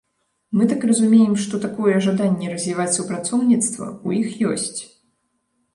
Мы так разумеем, што такое жаданне развіваць супрацоўніцтва ў іх ёсць.